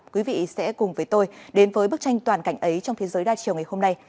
quý vị sẽ cùng với tôi đến với bức tranh toàn cảnh ấy trong thế giới đa chiều ngày hôm nay